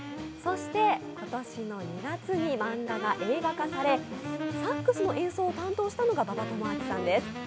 今年の２月に漫画が映画化され、サックスの演奏を担当したのが馬場智章さんです。